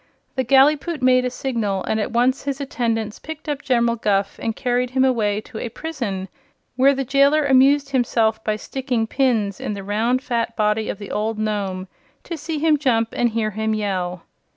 The Gallipoot made a signal and at once his attendants picked up General Guph and carried him away to a prison, where the jailer amused himself by sticking pins in the round fat body of the old Nome, to see him jump and hear him yell.